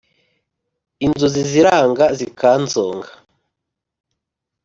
inzozi ziranga zikanzonga